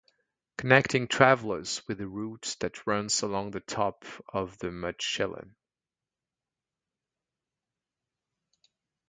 Connecting travelers with the route that runs along the top of the Mutschellen.